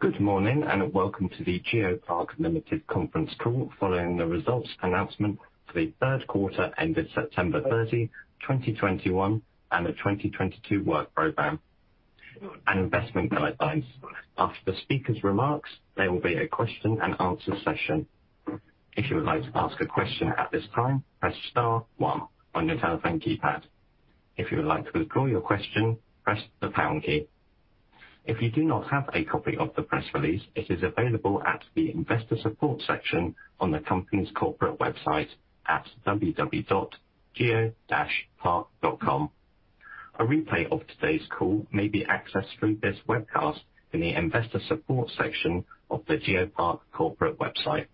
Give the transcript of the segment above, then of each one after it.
Good morning, and welcome to the GeoPark Limited conference call following the results announcement for the third quarter ended September 30, 2021, and the 2022 work program and investment guidelines. After the speakers' remarks, there will be a question-and-answer session. If you would like to ask a question at this time, press star one on your telephone keypad. If you would like to withdraw your question, press the pound key. If you do not have a copy of the press release, it is available at the investor support section on the company's corporate website at www.geopark.com. A replay of today's call may be accessed through this webcast in the investor support section of the GeoPark corporate website.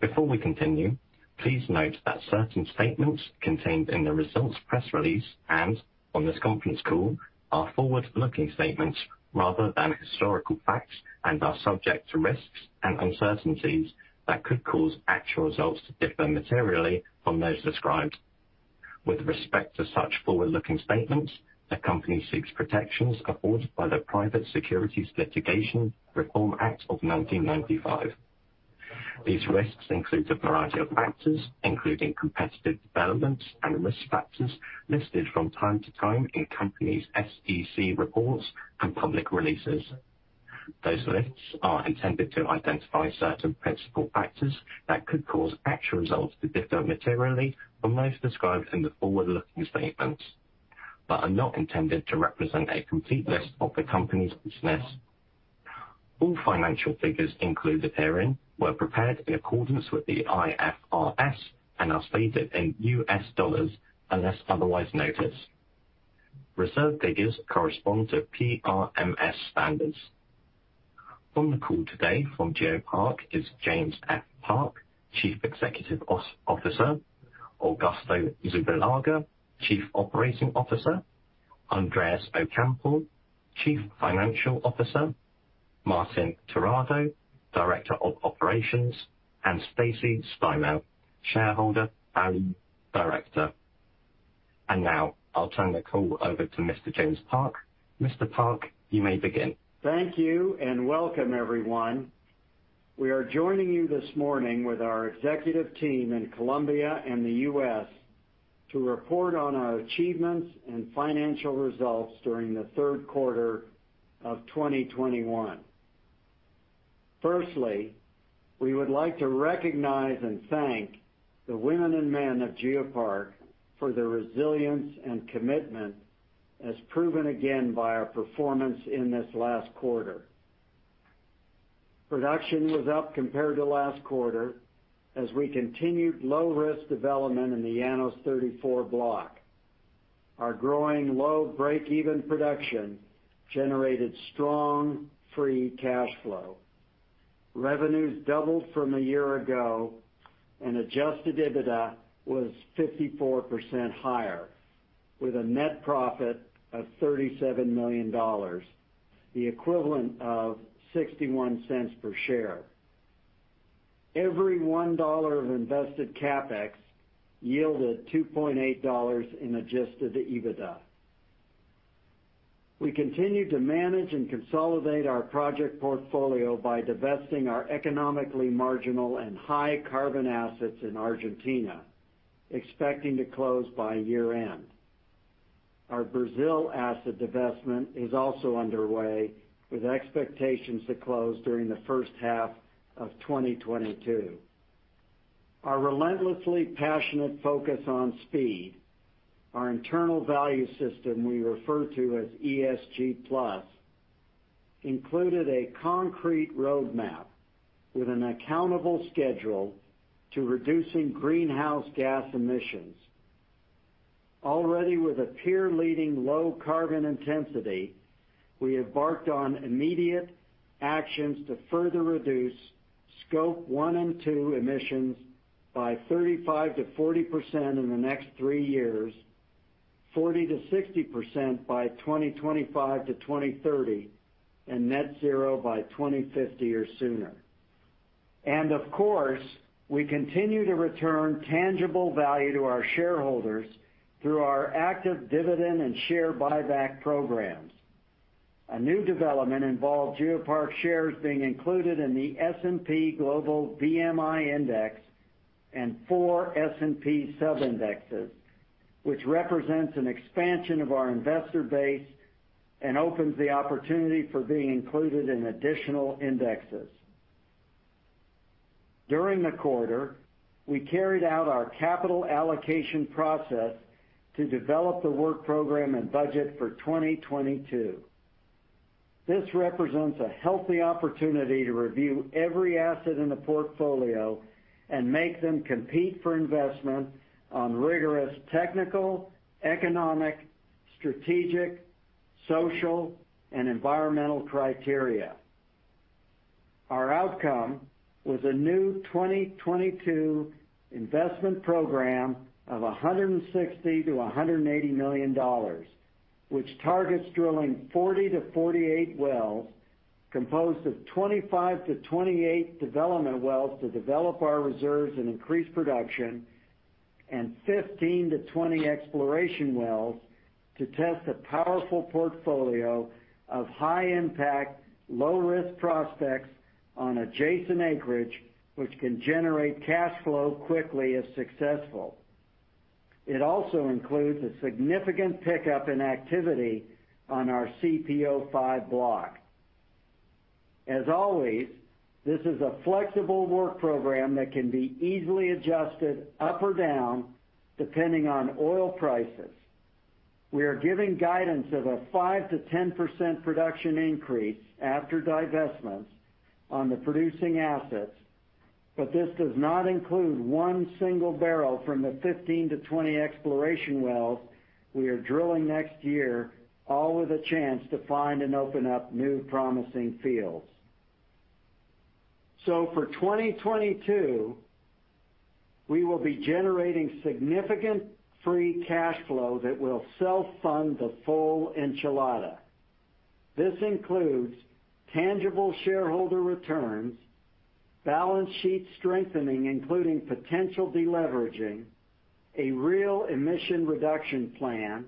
Before we continue, please note that certain statements contained in the results press release and on this conference call are forward-looking statements rather than historical facts and are subject to risks and uncertainties that could cause actual results to differ materially from those described. With respect to such forward-looking statements, the company seeks the protections afforded by the Private Securities Litigation Reform Act of 1995. These risks include a variety of factors, including competitive developments and risk factors listed from time to time in the company's SEC reports and public releases. Those lists are intended to identify certain principal factors that could cause actual results to differ materially from those described in the forward-looking statements, but are not intended to represent a complete list of the company's business. All financial figures included herein were prepared in accordance with the IFRS and are stated in U.S. dollars unless otherwise noted. Reserve figures correspond to PRMS standards. On the call today from GeoPark is James F. Park, Chief Executive Officer; Augusto Zubillaga, Chief Operating Officer; Andrés Ocampo, Chief Financial Officer; Martín Terrado, Director of Operations; and Stacy Steimel, Shareholder and Director. Now I'll turn the call over to Mr. James Park. Mr. Park, you may begin. Thank you, and welcome everyone. We are joining you this morning with our executive team in Colombia and the U.S. to report on our achievements and financial results during the third quarter of 2021. Firstly, we would like to recognize and thank the women and men of GeoPark for their resilience and commitment, as proven again by our performance in this last quarter. Production was up compared to last quarter as we continued low-risk development in the Llanos 34 block. Our growing low break-even production generated strong free cash flow. Revenues doubled from a year ago, and Adjusted EBITDA was 54% higher with a net profit of $37 million, the equivalent of $0.61 per share. Every $1 of invested CapEx yielded $2.8 in Adjusted EBITDA. We continue to manage and consolidate our project portfolio by divesting our economically marginal and high-carbon assets in Argentina, expecting to close by year-end. Our Brazil asset divestment is also underway with expectations to close during the first half of 2022. Our relentlessly passionate focus on speed, our internal value system, which we refer to as ESG plus, includes a concrete roadmap with an accountable schedule to reduce greenhouse gas emissions. Already with a peer-leading low carbon intensity, we embarked on immediate actions to further reduce scope one and two emissions by 35%-40% in the next three years, 40%-60% by 2025-2030, and net zero by 2050 or sooner. Of course, we continue to return tangible value to our shareholders through our active dividend and share buyback programs. A new development involved GeoPark shares being included in the S&P Global BMI index and four S&P sub-indexes, which represents an expansion of our investor base and opens the opportunity for being included in additional indexes. During the quarter, we carried out our capital allocation process to develop the work program and budget for 2022. This represents a healthy opportunity to review every asset in the portfolio and make them compete for investment on rigorous technical, economic, strategic, social, and environmental criteria. Our outcome was a new 2022 investment program of $160 million-$180 million, which targets drilling 40-48 wells, composed of 25-28 development wells to develop our reserves and increase production, 15-20 exploration wells to test a powerful portfolio of high-impact, low-risk prospects on adjacent acreage, which can generate cash flow quickly if successful. It also includes a significant pickup in activity on our CPO-5 block. As always, this is a flexible work program that can be easily adjusted up or down depending on oil prices. We are giving guidance of a 5%-10% production increase after divestments on the producing assets, but this does not include one single barrel from the 15-20 exploration wells we are drilling next year, all with a chance to find and open up new promising fields. For 2022, we will be generating significant free cash flow that will self-fund the full enchilada. This includes tangible shareholder returns, balance sheet strengthening, including potential deleveraging, a real emission reduction plan,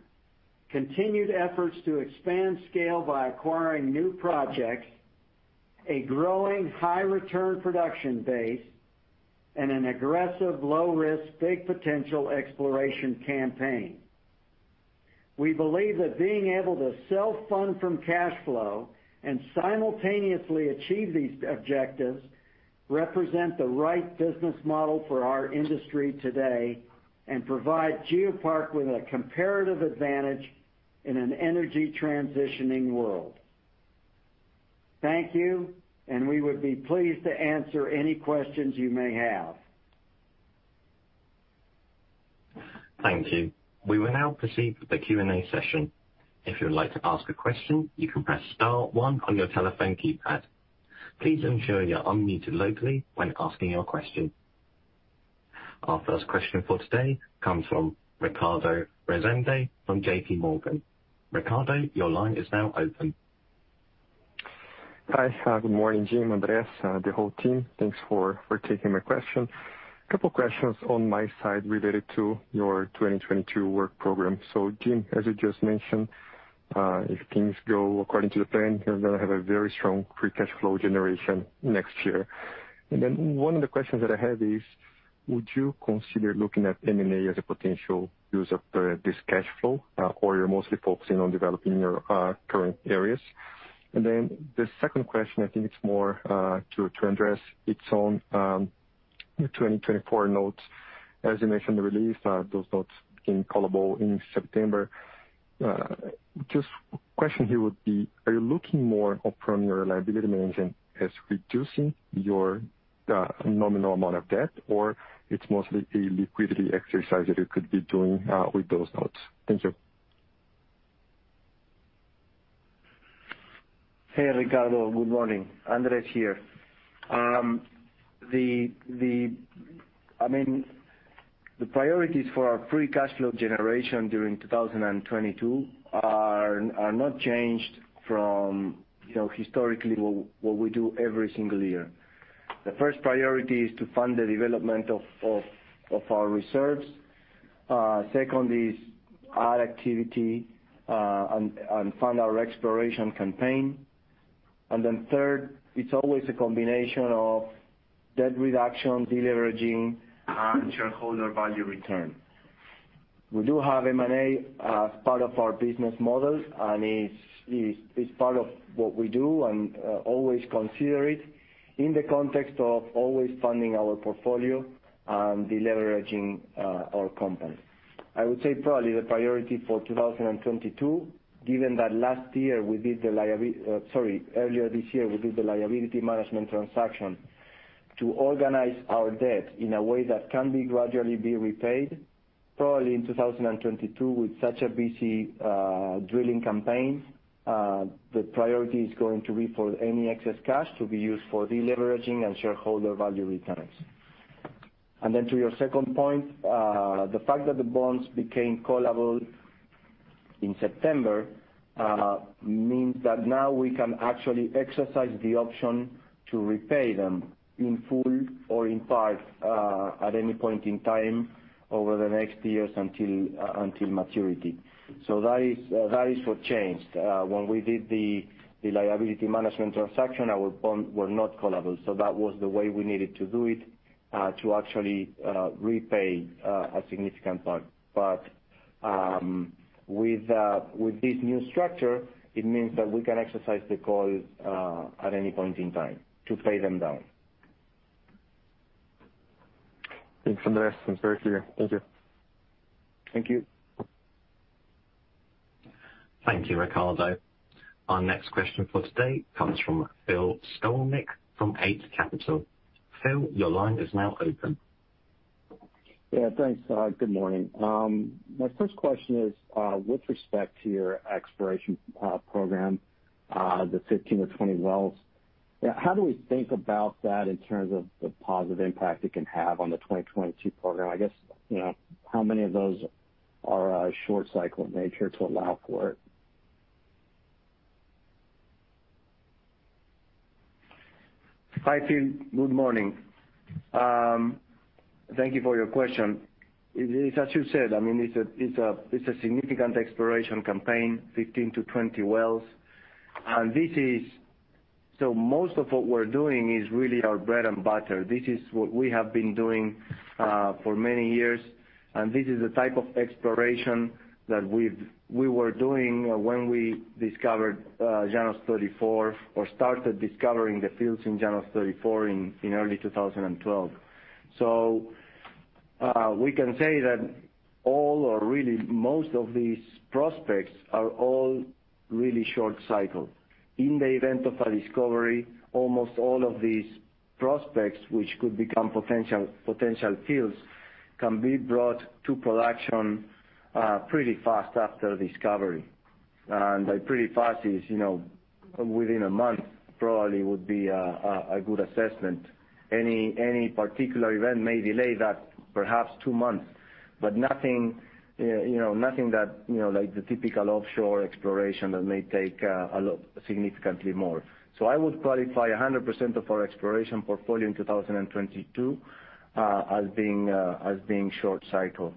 continued efforts to expand scale by acquiring new projects, a growing high-return production base, and an aggressive, low-risk, big potential exploration campaign. We believe that being able to self-fund from cash flow and simultaneously achieve these objectives represents the right business model for our industry today and provides GeoPark with a comparative advantage in an energy transitioning world. Thank you, and we would be pleased to answer any questions you may have. Thank you. We will now proceed with the Q&A session. If you would like to ask a question, you can press star one on your telephone keypad. Please ensure you're unmuted locally when asking your question. Our first question for today comes from Ricardo Rezende from JPMorgan. Ricardo, your line is now open. Hi. Good morning, Jim, Andrés, and the whole team. Thanks for taking my question. A couple of questions on my side related to your 2022 work program. Jim, as you just mentioned, if things go according to plan, you're gonna have a very strong free cash flow generation next year. One of the questions that I have is, would you consider looking at M&A as a potential use of this cash flow, or are you mostly focusing on developing your current areas? The second question, I think, is more for Andrés. It's on the 2024 notes. As you mentioned in the release, those notes became callable in September. Just a question here would be, are you looking more for your liability management as reducing your nominal amount of debt, or is it mostly a liquidity exercise that you could be doing with those notes? Thank you. Hey, Ricardo. Good morning. Andrés here. The priorities for our free cash flow generation during 2022 are not changed from what you know, historically, what we do every single year. The first priority is to fund the development of our reserves. Second is our activity on funding our exploration campaign. Third, it's always a combination of debt reduction, deleveraging, and shareholder value return. We do have M&A as part of our business model, and it's part of what we do, and we always consider it in the context of always funding our portfolio and deleveraging our company. I would say probably the priority for 2022, given that last year we did the liability management transaction to organize our debt in a way that can gradually be repaid. Probably in 2022, with such a busy drilling campaign, the priority is going to be for any excess cash to be used for deleveraging and shareholder value returns. To your second point, the fact that the bonds became callable in September means that now we can actually exercise the option to repay them in full or in part at any point in time over the next few years until maturity. That is what changed. When we did the liability management transaction, our bonds were not callable, so that was the way we needed to do it to actually repay a significant part. With this new structure, it means that we can exercise the calls at any point in time to pay them down. Thanks, Andrés. That's very clear. Thank you. Thank you. Thank you, Ricardo. Our next question for today comes from Phil Skolnick from Eight Capital. Phil, your line is now open. Yeah, thanks. Good morning. My first question is with respect to your exploration program, the 15-20 wells. How do we think about that in terms of the positive impact it can have on the 2022 program? I guess, you know, how many of those are short-cycle in nature to allow for- Hi, Phil. Good morning. Thank you for your question. It is, as you said, I mean, it's a significant exploration campaign, 15-20 wells. Most of what we're doing is really our bread and butter. This is what we have been doing for many years. This is the type of exploration that we were doing when we discovered Llanos 34 or started discovering the fields in Llanos 34 in early 2012. We can say that all or really most of these prospects are really short-cycle. In the event of a discovery, almost all of these prospects, which could become potential fields, can be brought to production pretty fast after discovery. Pretty fast, you know, within a month, probably would be a good assessment. Any particular event may delay that by two months, but nothing, you know, nothing that, you know, like the typical offshore exploration that may take a lot, significantly more. I would qualify 100% of our exploration portfolio in 2022 as being short-cycle.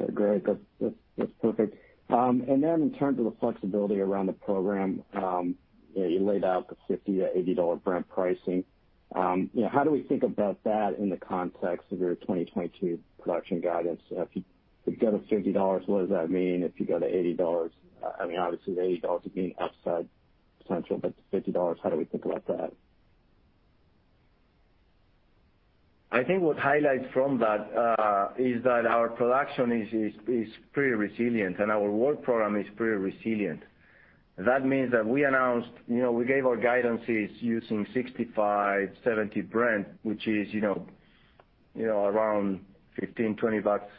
Okay, great. That's perfect. In terms of the flexibility around the program, you know, you laid out the $50-$80 Brent pricing. You know, how do we think about that in the context of your 2022 production guidance? If you go to $50, what does that mean? If you go to $80, I mean, obviously, the $80 would be an upside potential, but $50, how do we think about that? I think what highlights from that is that our production is pretty resilient, and our work program is pretty resilient. That means that we announced, you know, we gave our guidance using $65, $70 Brent, which is, you know, around $15, $20 bucks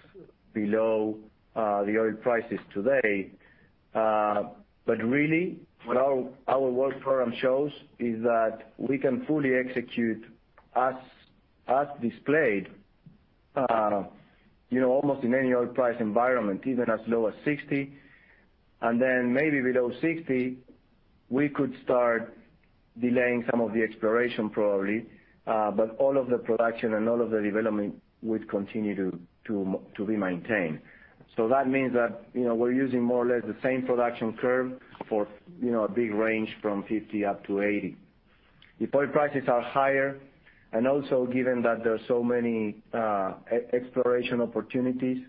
below the oil prices today. But really, what our work program shows is that we can fully execute as displayed, you know, almost in any oil price environment, even as low as $60. And then maybe below $60, we could start delaying some of the exploration, probably. But all of the production and all of the development would continue to be maintained. That means that, you know, we're using more or less the same production curve for, you know, a big range from $50 to $80. If oil prices are higher, and also given that there are so many exploration opportunities,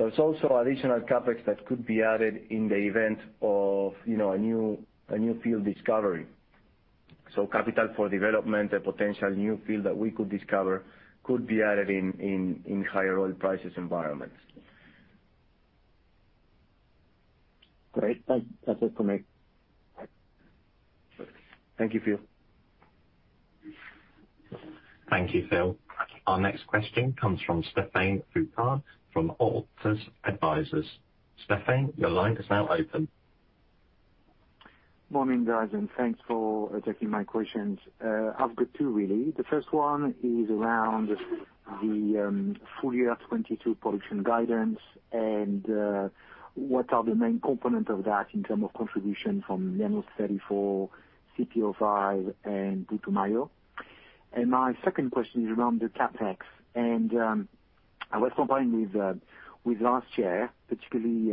there's also additional CapEx that could be added in the event of, you know, a new field discovery. Capital for development, a potential new field that we could discover, could be added in higher oil price environments. Great. That's it for me. Thank you, Phil. Thank you, Phil. Our next question comes from Stephane Foucaud from Auctus Advisors. Stephane, your line is now open. Morning, guys, and thanks for taking my questions. I've got two, really. The first one is around the full-year 2022 production guidance, and what are the main components of that in terms of contribution from Llanos 34, CPO-5, and Putumayo? My second question is around the CapEx. I was comparing with last year, particularly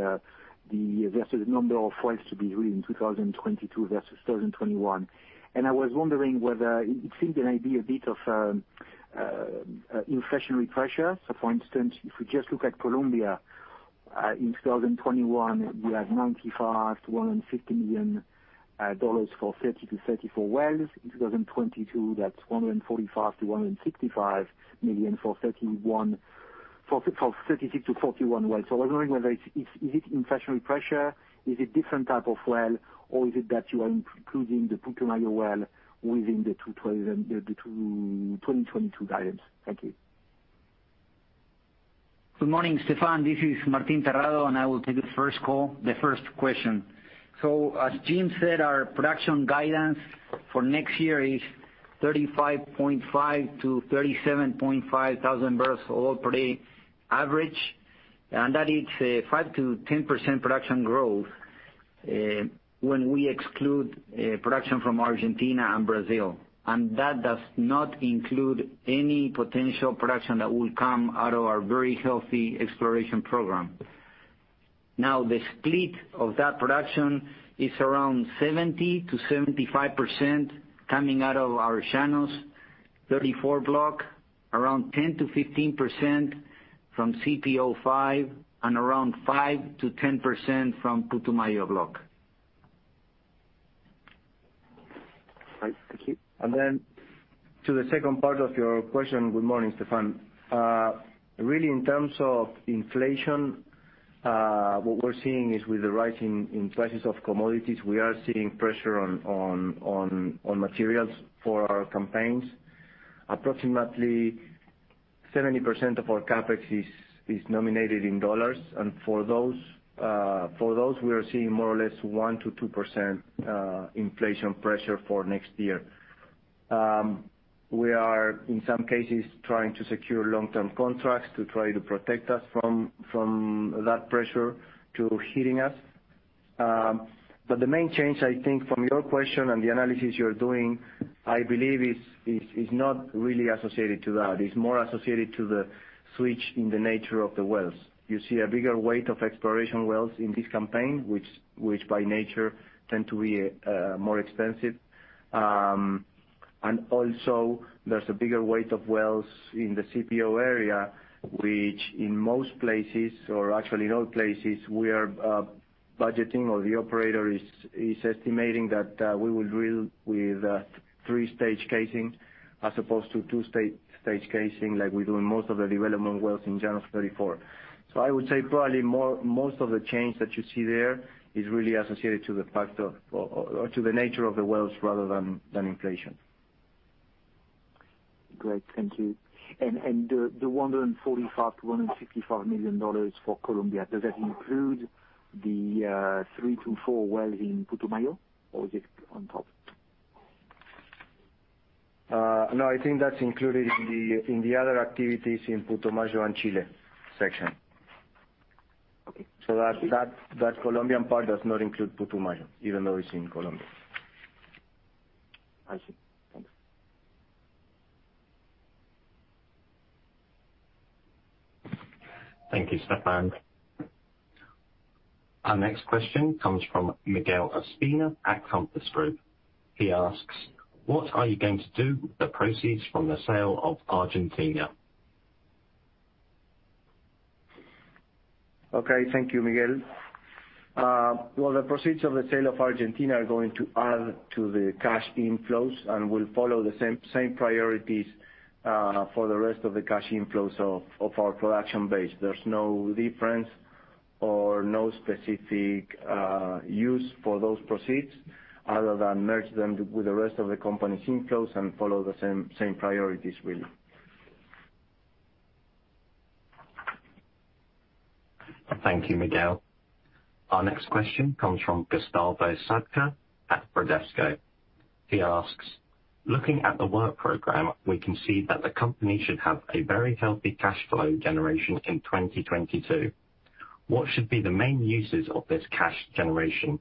the number of wells to be drilled in 2022 versus 2021. I was wondering whether it seemed there may be a bit of inflationary pressure. For instance, if we just look at Colombia, in 2021, we had $95 million-$150 million for 30-34 wells. In 2022, that's $145 million-$165 million for 36-41 wells. I was wondering whether it's inflationary pressure? Is it a different type of well? Or is it that you are including the Putumayo well within the 2022 guidance? Thank you. Good morning, Stephane. This is Martín Terrado, and I will take the first call, the first question. As Jim said, our production guidance for next year is 35.5-37.5 thousand barrels of oil per day average. That is a 5%-10% production growth when we exclude production from Argentina and Brazil. That does not include any potential production that will come out of our very healthy exploration program. Now, the split of that production is around 70%-75% coming out of our Llanos 34 block, around 10%-15% from CPO-5, and around 5%-10% from the Putumayo block. Right. Thank you. To the second part of your question, good morning, Stephane. Really in terms of inflation, what we're seeing is that with the rise in prices of commodities, we are seeing pressure on materials for our campaigns. Approximately 70% of our CapEx is nominated in dollars. For those, we are seeing more or less 1%-2% inflation pressure for next year. We are, in some cases, trying to secure long-term contracts to try to protect us from that pressure hitting us. The main change, I think, from your question and the analysis you're doing, I believe, is not really associated with that. It's more associated with the switch in the nature of the wells. You see a bigger weight of exploration wells in this campaign, which, by nature, tend to be more expensive. Also, there's a bigger weight of wells in the CPO area, which, in most places, or actually in all places, we are budgeting, or the operator is estimating that we will drill with three-stage casing as opposed to two-stage casing as we do in most of the development wells in Llanos 34. I would say probably most of the change that you see there is really associated with the factor, or to the nature of the wells, rather than inflation. Great, thank you. The $145 million-$155 million for Colombia, does that include the 3-4 wells in Putumayo, or is it on top? No, I think that's included in the other activities in the Putumayo and Chile section. Okay. That Colombian part does not include Putumayo, even though it's in Colombia. I see. Thanks. Thank you, Stephane. Our next question comes from Miguel Ospina at Compass Group. He asks, "What are you going to do with the proceeds from the sale of Argentina? Okay. Thank you, Miguel. Well, the proceeds of the sale of Argentina are going to add to the cash inflows and will follow the same priorities for the rest of the cash inflows of our production base. There's no difference or no specific use for those proceeds other than to merge them with the rest of the company's inflows and follow the same priorities, really. Thank you, Miguel. Our next question comes from Gustavo Sadka at Bradesco. He asks, "Looking at the work program, we can see that the company should have a very healthy cash flow generation in 2022. What should be the main uses of this cash generation?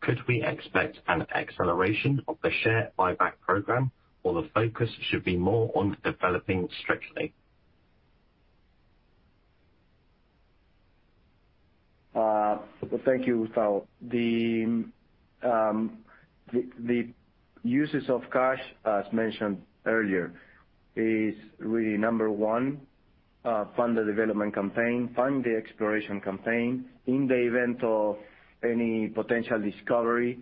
Could we expect an acceleration of the share buyback program, or should the focus be more on developing strictly? Thank you, Gustavo. The use of cash, as mentioned earlier, is really number one: fund the development campaign, fund the exploration campaign. In the event of any potential discovery,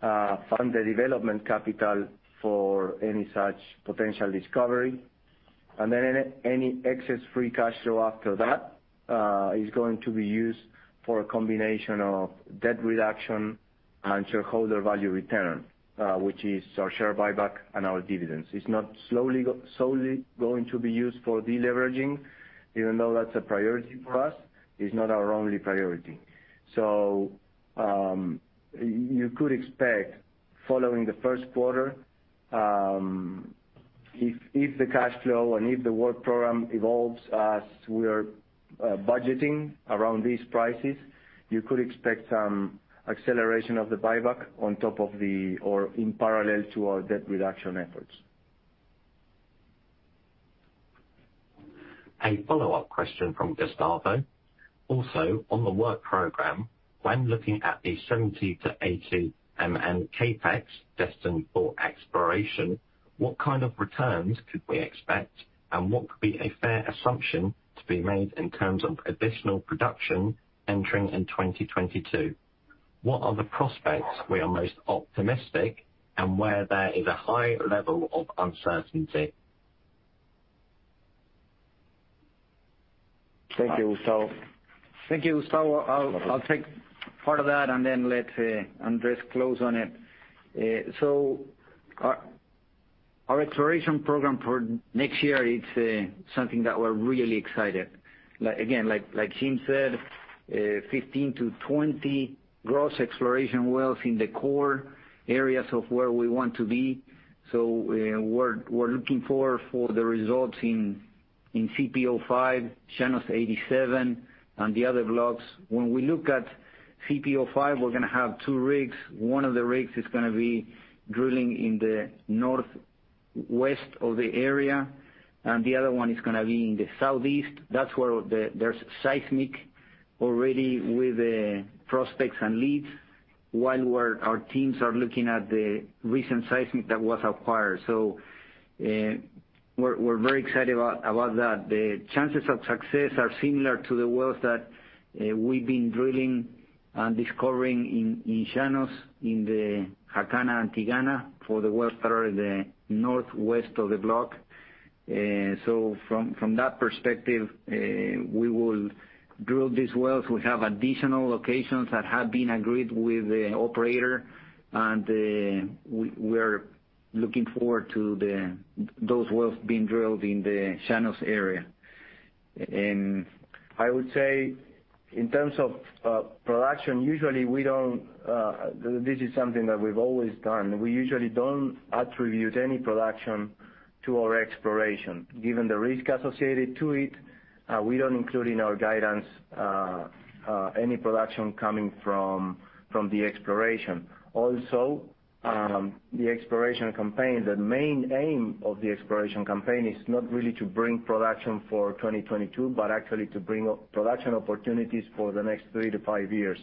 fund the development capital for any such potential discovery. Then any excess free cash flow after that is going to be used for a combination of debt reduction and shareholder value return, which is our share buyback and our dividends. It's not solely going to be used for deleveraging, even though that's a priority for us. It's not our only priority. You could expect following the first quarter, if the cash flow and if the work program evolves as we are budgeting around these prices, you could expect some acceleration of the buyback on top of the or in parallel to our debt reduction efforts. A follow-up question from Gustavo Sadka: "Also, on the work program, when looking at the $70 million-$80 million CapEx destined for exploration, what kind of returns could we expect? And what could be a fair assumption to be made in terms of additional production entering in 2022? What are the prospects we are most optimistic about, and where is there a high level of uncertainty? Thank you, Gustavo. I'll take part in that and then let Andrés close on it. Our exploration program for next year is something that we're really excited about. Like again, like Jim said, 15-20 gross exploration wells in the core areas of where we want to be. We're looking for the results in CPO-5, Llanos 87, and the other blocks. When we look at CPO-5, we're gonna have 2 rigs. One of the rigs is gonna be drilling in the northwest of the area, and the other one is gonna be in the southeast. That's where there's seismic already with the prospects and leads, while our teams are looking at the recent seismic that was acquired. We're very excited about that. The chances of success are similar to the wells that we've been drilling and discovering in Llanos in the Jacana and Tigana, for the wells that are in the northwest of the block. From that perspective, we will drill these wells. We have additional locations that have been agreed with the operator, and we're looking forward to those wells being drilled in the Llanos area. I would say in terms of production, this is something that we've always done. We usually don't attribute any production to our exploration. Given the risk associated with it, we don't include in our guidance any production coming from the exploration. The exploration campaign, the main aim of the exploration campaign is not really to bring production for 2022, but actually to bring up production opportunities for the next three to five years.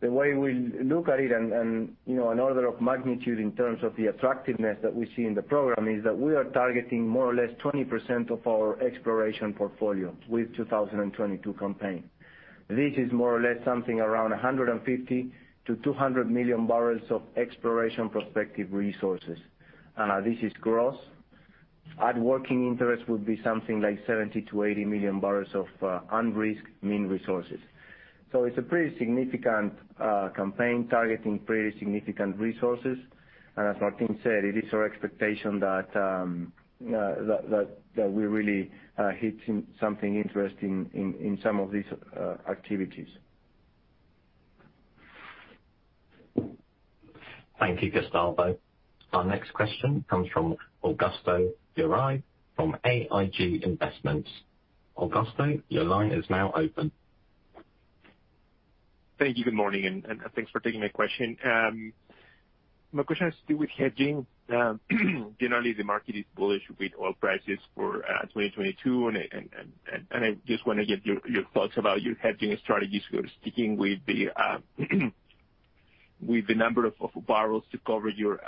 The way we look at it, and you know, an order of magnitude in terms of the attractiveness that we see in the program is that we are targeting more or less 20% of our exploration portfolio with the 2022 campaign. This is more or less something around 150-200 million barrels of exploration prospective resources. And this is gross. At working interest, it would be something like 70-80 million barrels of unrisked mean resources. It's a pretty significant campaign targeting pretty significant resources. As Martin said, it is our expectation that we really hit something interesting in some of these activities. Thank you, Gustavo. Our next question comes from Augusto Durán from AIG Investments. Augusto, your line is now open. Thank you. Good morning, thanks for taking my question. My question has to do with hedging. Generally, the market is bullish with oil prices for 2022. I just want to get your thoughts about your hedging strategies, speaking with the number of barrels to cover your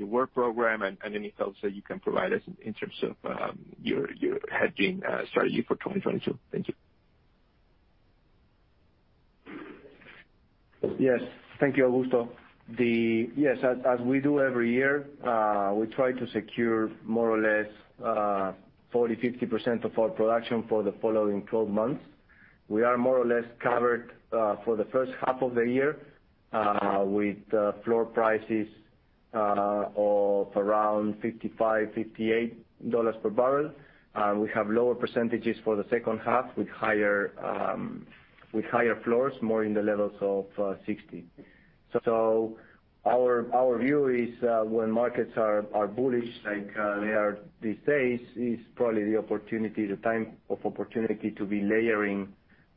work program, and any thoughts that you can provide us in terms of your hedging strategy for 2022. Thank you. Yes. Thank you, Augusto. As we do every year, we try to secure more or less 40%-50% of our production for the following 12 months. We are more or less covered for the first half of the year with floor prices of around $55-$58 per barrel. We have lower percentages for the second half with higher floors, more in the levels of $60. Our view is that when markets are bullish, like they are these days, it is probably the opportunity, the time of opportunity to be layering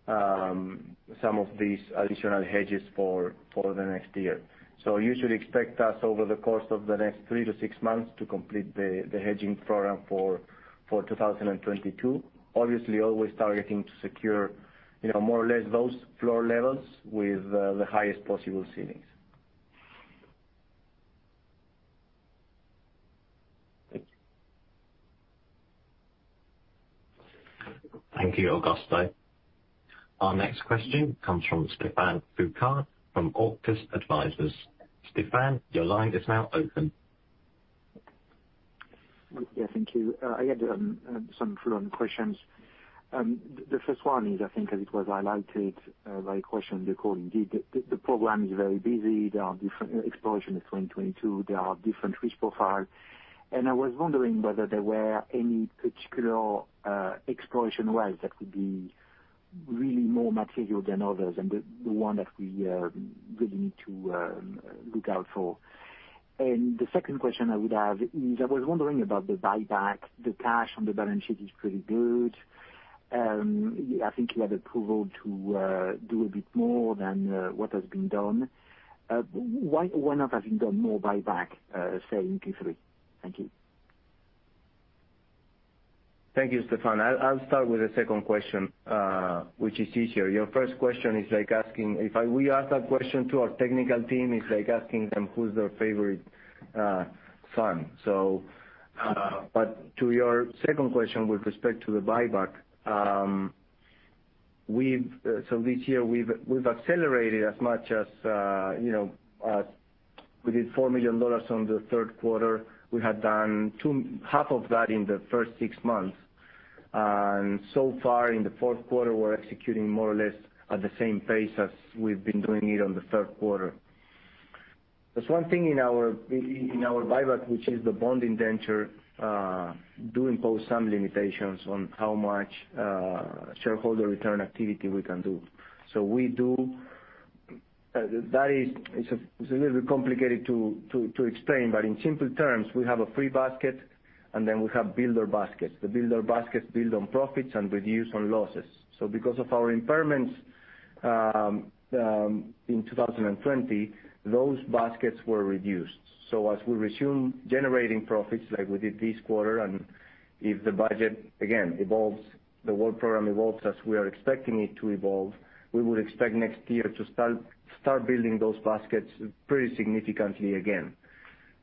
some of these additional hedges for the next year. You should expect us over the course of the next three to six months to complete the hedging program for 2022. Obviously, always targeting to secure, you know, more or less those floor levels with the highest possible ceilings. Thank you. Thank you, Augusto. Our next question comes from Stephane Foucaud from Auctus Advisors. Stephane, your line is now open. Yeah. Thank you. I had some follow-up questions. The first one is, I think, as it was highlighted by the question recording, the program is very busy. There are different explorations in 2022. There are different risk profiles. I was wondering whether there were any particular exploration wells that could be really more material than others, and the one that we really need to look out for. The second question I would have is, I was wondering about the buyback. The cash on the balance sheet is pretty good. I think you have approval to do a bit more than what has been done. Why not have done more buybacks, say, in Q3? Thank you. Thank you, Stephane. I'll start with the second question, which is easier. Your first question is like asking if we ask that question to our technical team. It's like asking them who their favorite son is. To your second question with respect to the buyback, we've accelerated this year as much as you know. We did $4 million in the third quarter. We had done half of that in the first six months. So far in the fourth quarter, we're executing more or less at the same pace as we've been doing in the third quarter. There's one thing in our buyback, which is that the bond indenture imposes some limitations on how much shareholder return activity we can do. That is, it's a little bit complicated to explain, but in simple terms, we have a free basket, and then we have builder baskets. The builder baskets build on profits and reduce on losses. Because of our impairments in 2020, those baskets were reduced. As we resume generating profits like we did this quarter, and if the budget again evolves, the work program evolves as we are expecting it to evolve, we would expect next year to start building those baskets pretty significantly again.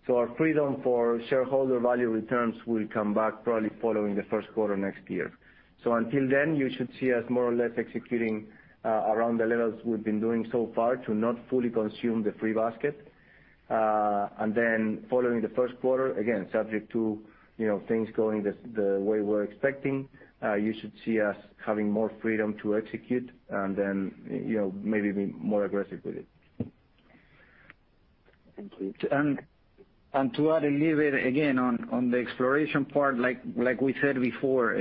Our freedom for shareholder value returns will probably come back following the first quarter next year. Until then, you should see us more or less executing around the levels we've been doing so far to not fully consume the free basket. Then following the first quarter, again, subject to, you know, things going the way we're expecting, you should see us having more freedom to execute and then, you know, maybe be more aggressive with it. To add a little bit again on the exploration part, as we said before,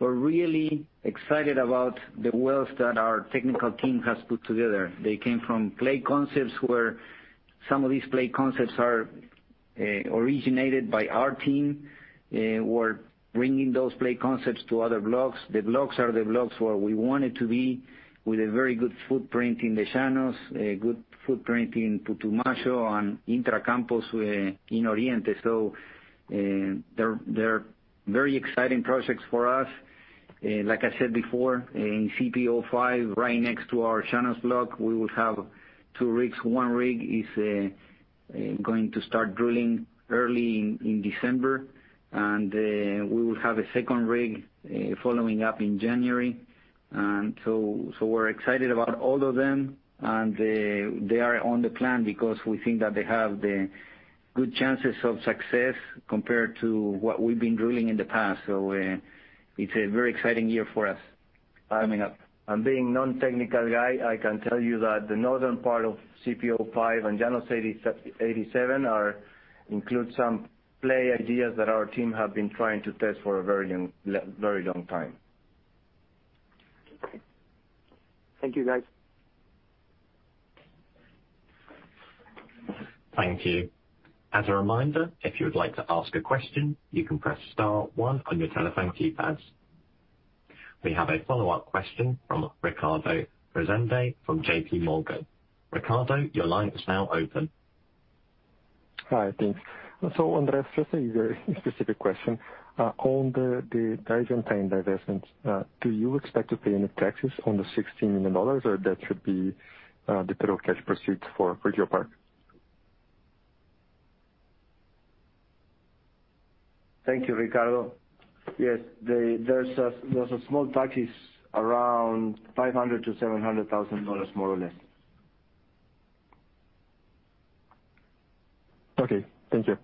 we're really excited about the wells that our technical team has put together. They came from play concepts where some of these play concepts are originated from our team. We're bringing those play concepts to other blocks. The blocks are the blocks where we want them to be, with a very good footprint in the Llanos, a good footprint in Putumayo, and Intracordillera in Oriente. So, they're very exciting projects for us. As I said before, in CPO-5, right next to our Llanos block, we will have two rigs. One rig is going to start drilling early in December, and we will have a second rig following up in January. We're excited about all of them. They are on the plan because we think that they have good chances of success compared to what we've been drilling in the past. It's a very exciting year for us. I mean, being a non-technical guy, I can tell you that the northern part of CPO-5 and Llanos 87 includes some play ideas that our team has been trying to test for a very long time. Thank you, guys. Thank you. As a reminder, if you would like to ask a question, you can press star one on your telephone keypads. We have a follow-up question from Ricardo Rezende from JPMorgan. Ricardo, your line is now open. Hi. Thanks. Andrés, just a very specific question. On the Argentine divestment, do you expect to pay any taxes on the $16 million, or should that be the total cash proceeds for GeoPark? Thank you, Ricardo. Yes, there are small taxes around $500,000-$700,000, more or less. Okay, thank you.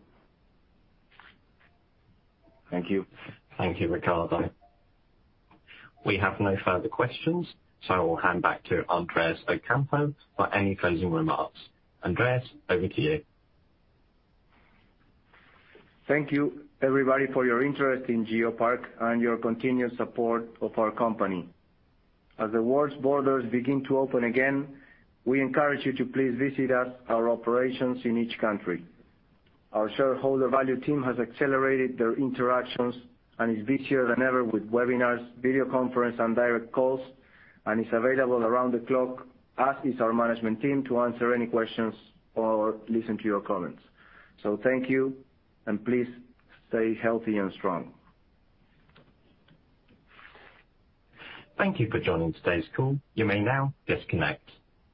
Thank you. Thank you, Ricardo. We have no further questions, so I will hand it back to Andrés Ocampo for any closing remarks. Andrés, over to you. Thank you, everybody, for your interest in GeoPark and your continued support of our company. As the world's borders begin to open again, we encourage you to please visit us, our operations in each country. Our shareholder value team has accelerated their interactions and is busier than ever with webinars, video conferences and direct calls, and is available around the clock, as is our management team, to answer any questions or listen to your comments. Thank you, and please stay healthy and strong. Thank you for joining today's call. You may now disconnect.